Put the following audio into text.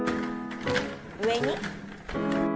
上に。